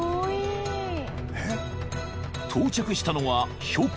［到着したのは標高